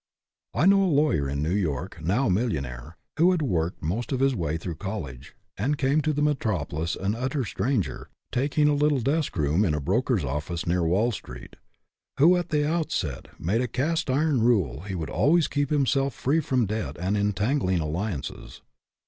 I know a lawyer in New York, now a million aire (who had worked most of his way through college, and came to the metropolis an utter stranger, taking a little desk room in a broker's office near Wall street) who, at the outset, made a cast iron rule that he would always keep himself free from debt and en tangling alliances.